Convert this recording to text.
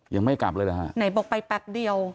ยังไม่กลับเลยเหรอฮะไหนบอกไปแป๊บเดียว